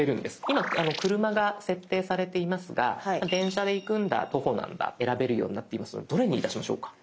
今車が設定されていますが電車で行くんだ徒歩なんだ選べるようになっていますのでどれにいたしましょうか？